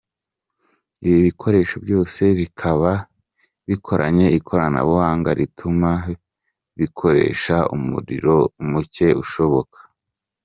Ibi bikoresho byose bikaba bikoranye ikoranabuhanga rituma bikoresha umuriro mucye ushoboka.